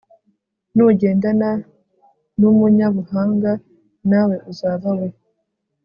nugendana n'umunyabuhanga nawe uzaba we